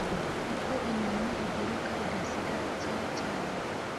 uko inyoni iguruka igasiga icyari cyayo